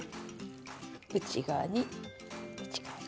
内側に内側に。